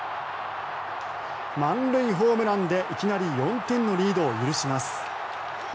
満塁ホームランでいきなり４点のリードを許します。